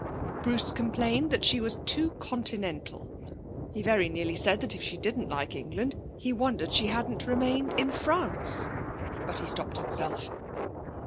Bruce complained that she was too Continental. He very nearly said that if she didn't like England he wondered she hadn't remained in France, but he stopped himself.